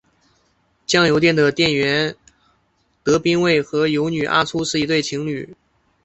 酱油店的店员德兵卫和游女阿初是一对情侣。